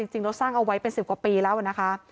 จริงเราสร้างเอาไว้เป็น๑๐กว่าปีแล้วนะคะ